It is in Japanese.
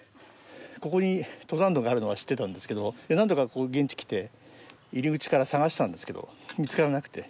ここに登山道があるのは知ってたんですけど何度か現地に来て入り口から探したんですけど見つからなくて。